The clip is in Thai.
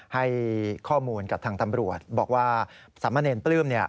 ให้ข้อมูลกับทางตำรวจบอกว่าสามเณรปลื้มเนี่ย